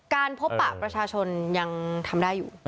การพบปะประชาชนยังทำได้อยู่